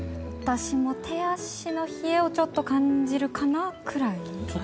私も手足の冷えをちょっと感じるかなぐらいかな。